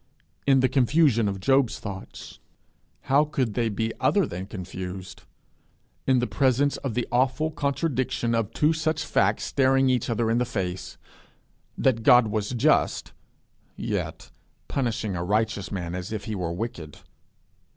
In the confusion of Job's thoughts how could they be other than confused, in the presence of the awful contradiction of two such facts staring each other in the face, that God was just, yet punishing a righteous man as if he were wicked?